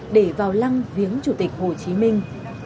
để vào lăng viếng chủ tịch hồ chí minh